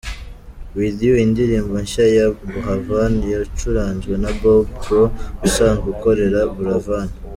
"With You", indirimbo nshya ya Buravan, yacuranzwe na Bob Pro usanzwe ukorera Buravan.